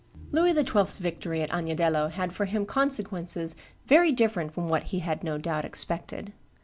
Louis XII.'s victory at Agnadello had for him consequences very different from what he had no doubt expected.